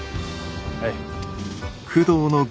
はい。